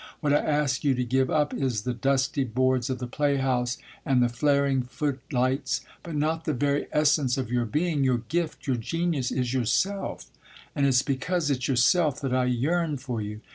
What I ask you to give up is the dusty boards of the play house and the flaring footlights, but not the very essence of your being. Your 'gift,' your genius, is yourself, and it's because it's yourself that I yearn for you.